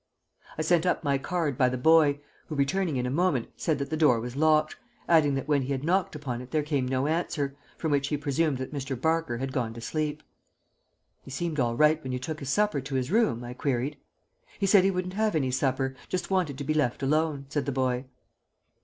I sent my card up by the boy, who, returning in a moment, said that the door was locked, adding that when he had knocked upon it there came no answer, from which he presumed that Mr. Barker had gone to sleep. "He seemed all right when you took his supper to his room?" I queried. "He said he wouldn't have any supper. Just wanted to be left alone," said the boy.